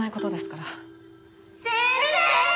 先生！